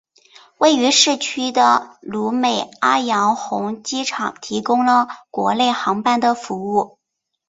位于市区的努美阿洋红机场提供了国内航班的服务。